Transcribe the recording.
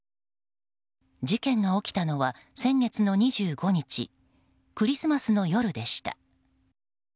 事件が起きたのは先月の２５日クリスマスの夜でした。